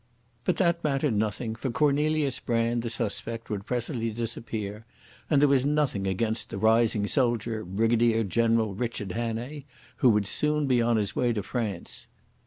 But that mattered nothing, for Cornelius Brand, the suspect, would presently disappear, and there was nothing against that rising soldier, Brigadier General Richard Hannay, who would soon be on his way to France.